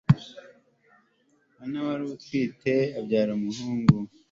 ana wari utwite abyara umuhungu